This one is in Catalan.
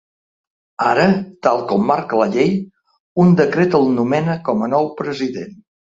Ara, tal com marca la llei, un decret el nomena com a nou president.